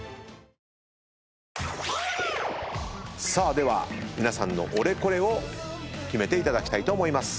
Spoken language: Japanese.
では皆さんのオレコレを決めていただきたいと思います。